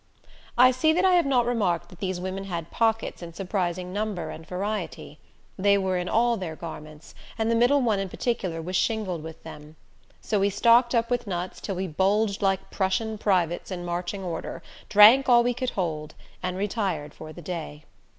I see that I have not remarked that these women had pockets in surprising number and variety. They were in all their garments, and the middle one in particular was shingled with them. So we stocked up with nuts till we bulged like Prussian privates in marching order, drank all we could hold, and retired for the day.